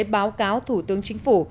báo cáo thủ tướng chính phủ